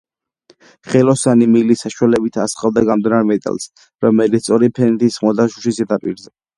ხელოსანი მილის საშუალებით ასხავდა გამდნარ მეტალს, რომელიც სწორი ფენით ესხმოდა შუშის ზედაპირზე.